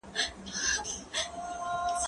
مازیګری دی لمر ډوبیږي ته مې نه ولیدې